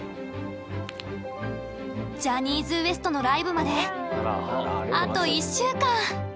ジャニーズＷＥＳＴのライブまであと１週間。